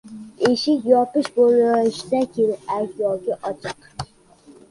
• Eshik yopiq bo‘lishi kerak yoki ochiq.